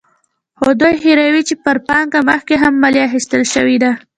خو دوی هېروي چې پر پانګه مخکې هم مالیه اخیستل شوې ده.